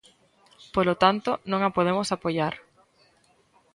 Polo tanto, non a podemos apoiar.